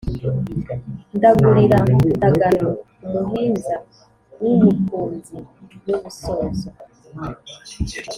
ndagurira ndagano umuhinza w'u bukunzi n'u busozo.